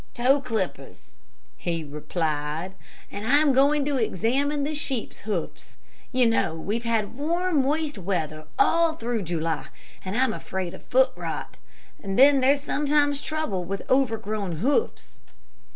"Toe clippers," he replied, "and I am going to examine the sheeps' hoofs. You know we've had warm, moist weather all through July, and I'm afraid of foot rot. Then they're sometimes troubled with overgrown hoofs."